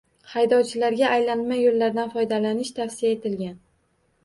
Haydovchilarga aylanma yo‘llardan foydalanish tavsiya etilgan